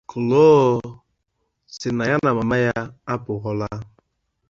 Chloe says that she and her mother just moved away.